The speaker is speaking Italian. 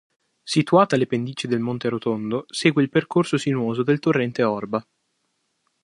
Situata alle pendici del Monte Rotondo, segue il percorso sinuoso del torrente Orba.